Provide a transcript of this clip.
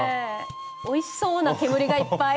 おいしそうな煙がいっぱい。